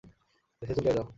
দেশে চলিয়া যাও।